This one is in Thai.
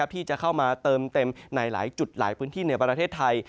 ที่จะเข้ามาเติมเต็มในหลายจุดหลายพื้นที่ในประเทศไทย